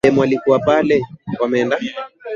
kwa yakisaidiwa na mji wa kigali na wengine